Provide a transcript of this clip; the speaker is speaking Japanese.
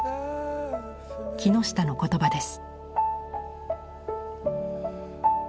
木下の言葉です。